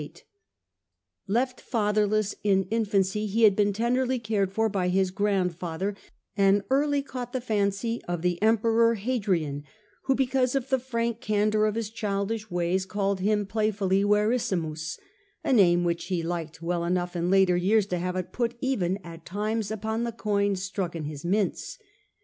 i 47 i 8 o . Marcus Aurelius Antoninus, 8 1 Left fatherless in infancy, he had been tenderly cared for by his grandfather, and early caught the fancy of the Em peror Hadrian, who, because of the frank candour of his childish ways called him playfully Verissimus, a name which he liked well enough in later years to have it put even at times upon the coins struck in his mints.